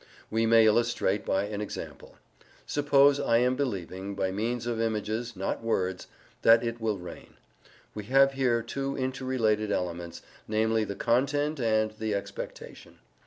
We may illustrate by an example. Suppose I am believing, by means of images, not words, that it will rain. We have here two interrelated elements, namely the content and the expectation.